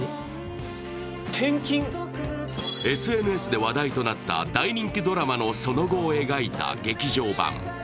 ＳＮＳで話題となった大人気ドラマのその後を描いた劇場版。